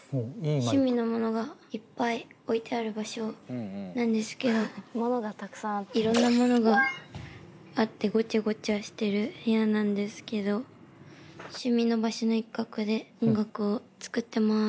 趣味のものがいっぱい置いてある場所なんですけどいろんなものがあってごちゃごちゃしてる部屋なんですけど趣味の場所の一角で音楽を作ってます。